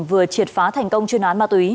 vừa triệt phá thành công chuyên án ma túy